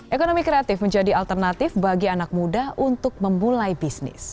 ekonomi kreatif menjadi alternatif bagi anak muda untuk memulai bisnis